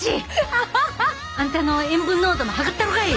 アハハ！あんたの塩分濃度も測ったろかい！